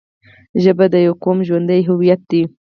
ژبه د یوه قوم ژوندی هویت دی